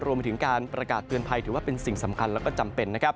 รวมไปถึงการประกาศเตือนภัยถือว่าเป็นสิ่งสำคัญและก็จำเป็นนะครับ